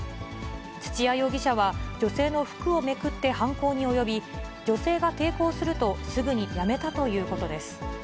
土谷容疑者は、女性の服をめくって犯行に及び、女性が抵抗すると、すぐにやめたということです。